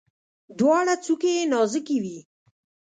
دواړه څوکي یې نازکې وي.